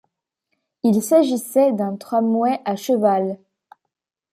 Il s'agissait d'un tramway à cheval.